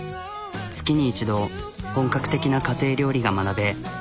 月に一度本格的な家庭料理が学べ